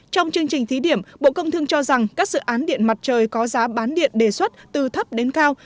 trong chương trình thí điểm bộ công thương cho rằng các dự án điện mặt trời có giá bán điện đề xuất từ thấp đến cao